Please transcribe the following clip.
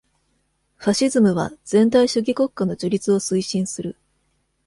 ファシズムは全体主義国家の樹立を推進する。